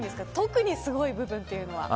特にすごい部分というのは。